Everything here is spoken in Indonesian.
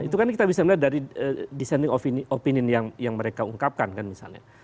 itu kan kita bisa melihat dari descending opinion yang mereka punya